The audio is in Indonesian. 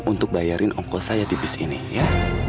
untuk bayarin ongkos saya di bis ini ya